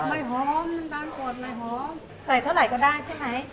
ไม่หอมมันบางกวดไม่หอมใส่เท่าไหร่ก็ได้ใช่ไหม